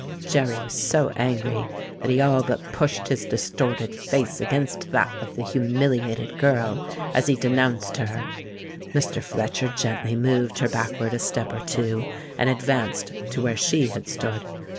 Jerry was so angry that he all but pushed his distorted face against that of the humiliated girl as he denounced her. Mr. Fletcher gently moved her backward a step or two, and advanced to where she had stood.